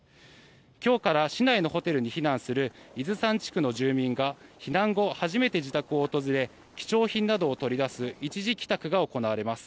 今日から市内のホテルに避難する伊豆山地区の住民が避難後初めて自宅を訪れ貴重品などを取り出す一時帰宅が行われます。